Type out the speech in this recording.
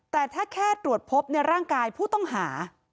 แต่ถ้าแค่ตรวจพบในร่างกายผู้ต้องหา